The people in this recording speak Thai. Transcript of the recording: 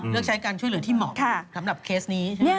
เลือกใช้การช่วยเหลือที่เหมาะสำหรับเคสนี้ใช่ไหม